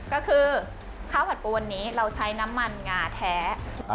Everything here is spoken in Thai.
ก็คือข้าวผัดปูวันนี้เราใช้น้ำมันงาแท้